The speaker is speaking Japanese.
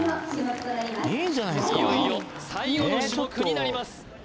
いよいよ最後の種目になります